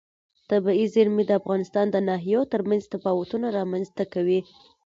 طبیعي زیرمې د افغانستان د ناحیو ترمنځ تفاوتونه رامنځ ته کوي.